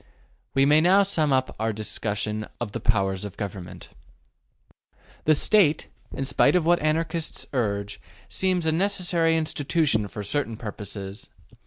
We may now sum up our discussion of the powers of Government. The State, in spite of what Anarchists urge, seems a necessary institution for certain purposes.